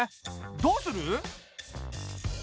どうする？